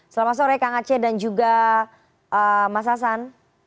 selamat sore kang aceh dan juga mas hasan